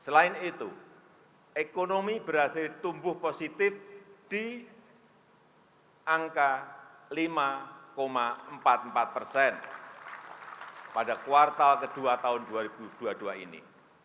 selain itu ekonomi berhasil tumbuh positif di angka lima empat puluh empat persen pada kuartal kedua tahun dua ribu dua puluh dua ini